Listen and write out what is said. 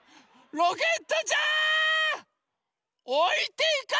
ロケットちゃん。